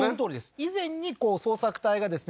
以前に捜索隊がですね